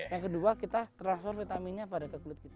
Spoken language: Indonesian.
yang kedua kita transfer vitaminnya pada ke kulit kita